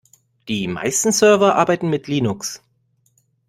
Die meisten Server arbeiten mit Linux.